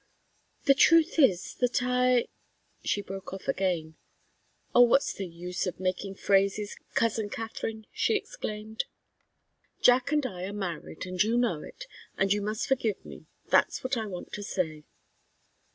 "The truth is that I " she broke off again. "Oh, what's the use of making phrases, cousin Katharine?" she exclaimed. "Jack and I are married and you know it and you must forgive me that's what I want to say!"